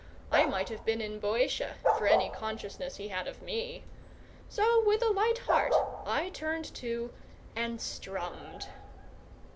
I might have been in Boeotia, for any consciousness he had of me. So with a light heart I turned to and strummed.